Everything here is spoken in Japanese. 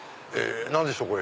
何でしょう？